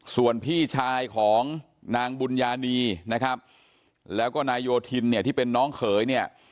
ส่วนพี่ชายของนางบุญญานีนะครับแล้วก็นายโยธินเนี่ยที่เป็นน้องเขยเนี่ย